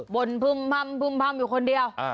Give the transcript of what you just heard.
บนพึ่มอยู่คนเดียว